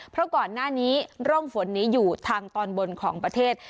เพราะก่อนหน้านี้ร่องฝนนี้อยู่ทางตอนบนของประเทศ